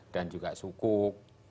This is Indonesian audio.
dan juga sukuk